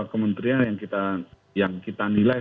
kementerian yang kita nilai